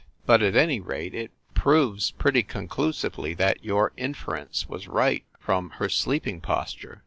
But, at any rate, it proves pretty conclusively that your inference was right from her sleeping posture.